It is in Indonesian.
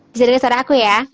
bisa dengar suara aku ya